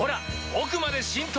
奥まで浸透！